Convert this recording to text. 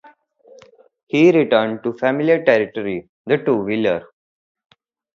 He returned to familiar territory, the two-wheeler.